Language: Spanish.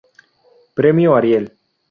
Premio Ariel